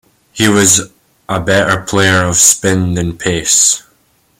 He was a better player of spin than pace.